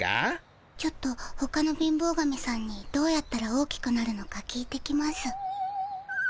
ちょっとほかの貧乏神さんにどうやったら大きくなるのか聞いてきます。